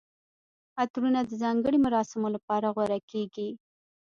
عطرونه د ځانګړي مراسمو لپاره غوره کیږي.